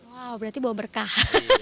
wow berarti bawa berkah